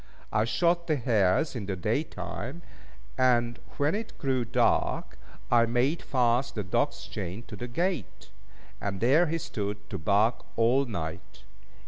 I shot the hares in the day time; and when it grew dark, I made fast the dog's chain to the gate, and there he stood to bark all night.